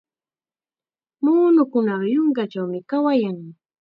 Muunukunaqa yunkachawmi kawayan.